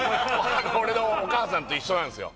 俺のお母さんと一緒なんですよ